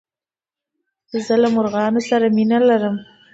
زه له مرغانو سره مينه لرم.